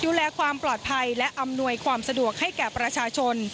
ดูแลความปลอดภัยและอำนวยความสะดวกให้แก่ประชาชน